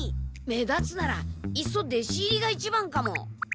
目立つならいっそ弟子入りが一番かも。